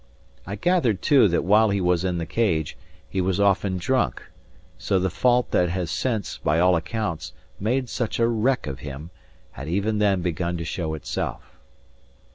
I gathered, too, that while he was in the Cage, he was often drunk; so the fault that has since, by all accounts, made such a wreck of him, had even then begun to show itself.